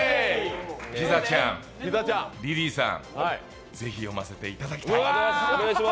ピザちゃん、リリーさん、ぜひ、読ませていただきたい。